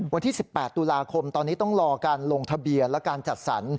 วันที่๑๘ตุลาคมตอนนี้ต้องรอการลงทะเบียนและการจัดสรร